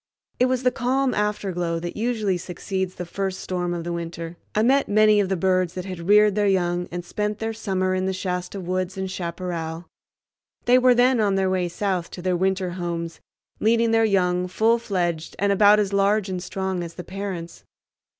It was the calm afterglow that usually succeeds the first storm of the winter. I met many of the birds that had reared their young and spent their summer in the Shasta woods and chaparral. They were then on their way south to their winter homes, leading their young full fledged and about as large and strong as the parents.